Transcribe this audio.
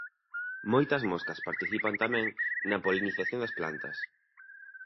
Moitas moscas participan tamén na polinización das plantas.